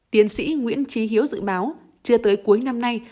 tiến sĩ nguyễn trí hiếu dự báo chưa tới cuối năm nay